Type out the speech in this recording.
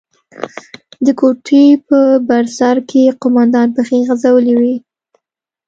د کوټې په بر سر کښې قومندان پښې غځولې وې.